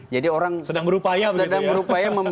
jadi orang sedang berupaya